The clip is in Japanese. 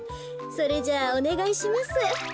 それじゃあおねがいします。